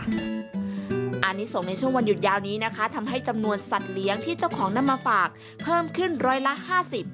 อันนี้ส่งในช่วงวันหยุดยาวนี้นะคะทำให้จำนวนสัตว์เลี้ยงที่เจ้าของนำมาฝากเพิ่มขึ้นร้อยละห้าสิบ